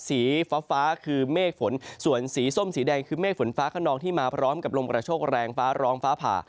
สีฟ้าฟ้าคือเมฆฝนส่วนสีส้มสีแดงคือเมฆฝนฟ้าขนองที่มาพร้อมกับลมกระโชคแรงฟ้าร้องฟ้าผ่า